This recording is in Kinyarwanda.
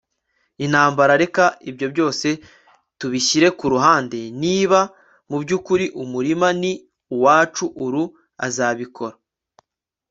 intambara. reka ibyo byose tubishyire kuruhande. niba mubyukuri umurima ni uwacu, ulu azabikora